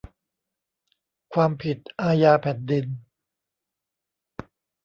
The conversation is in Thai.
ความผิดอาญาแผ่นดิน